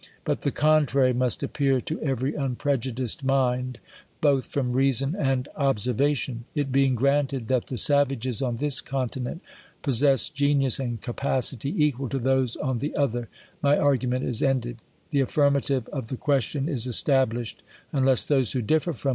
But the contrary must appear to every unprejudiced :nind, both from reason and observation. It being [granted that the savages on this continent possess ge lius and capacity, equal to those on the other, my ar gument is ended ; the affirmative of the question is established •, unless those who differ from m.